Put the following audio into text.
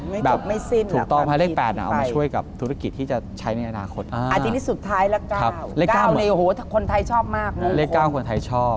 ไม่จบไม่สิ้นถูกต้องเพราะว่าเลข๘เอามาช่วยกับธุรกิจที่จะใช้ในอนาคต